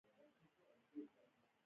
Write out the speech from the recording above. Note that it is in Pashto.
د بانک په داخل کې د پوښتنې ځای شتون لري.